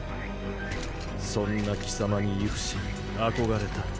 そんな貴様に畏怖し憧れた。